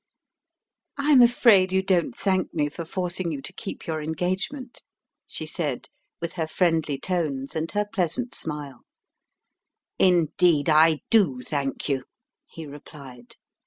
"I am afraid you don't thank me for forcing you to keep your engagement," she said, with her friendly tones and her pleasant smile. "Indeed I do thank you," he replied.